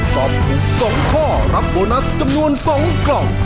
ตอบถูก๒ข้อรับโบนัสจำนวน๒กล่อง